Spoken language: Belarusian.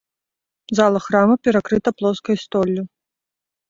Зала храма перакрыта плоскай столлю.